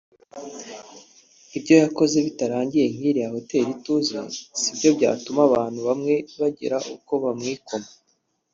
Ibyo yakoze bitarangiye nk’iriya Hotel Ituze sibyo byatuma abantu bamwe bagira uko bamwikoma